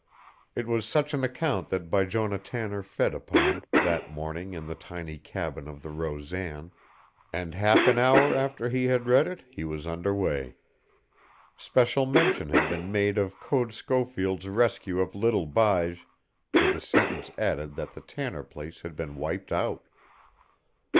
It was such an account that Bijonah Tanner fed upon that morning in the tiny cabin of the Rosan, and half an hour after he had read it he was under way. Special mention had been made of Code Schofield's rescue of little Bige, with a sentence added that the Tanner place had been wiped out.